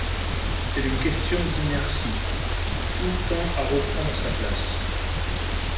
C’est une question d’inertie : tout tend à reprendre sa place.